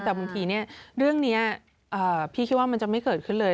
แต่บางทีเรื่องนี้พี่คิดว่ามันจะไม่เกิดขึ้นเลย